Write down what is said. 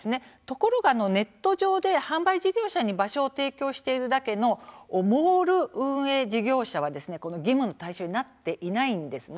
ところがネット上で販売事業者に場所を提供しているだけのモール運営事業者は義務の対象になっていないんです。